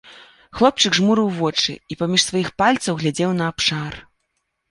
Хлопчык жмурыў вочы і паміж сваіх пальцаў глядзеў на абшар.